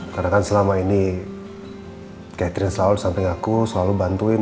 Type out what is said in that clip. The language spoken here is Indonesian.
karena kan selama ini catherine selalu di samping aku selalu bantuin